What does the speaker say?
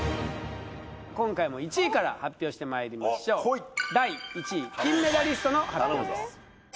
今回も１位から発表してまいりましょう第１位金メダリストの発表です